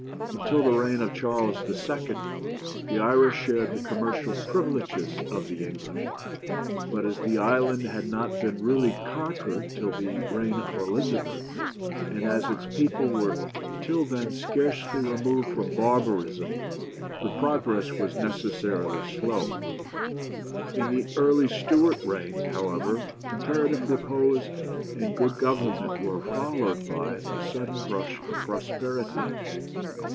Until the reign of Charles II. the Irish shared the commercial privileges of the English; but as the island had not been really conquered till the reign of Elizabeth, and as its people were till then scarcely removed from barbarism, the progress was necessarily slow. In the early Stuart reigns, however, comparative repose and good government were followed by a sudden rush of prosperity.